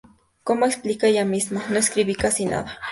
Como explica ella misma, “No escribí casi nada.